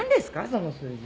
その数字。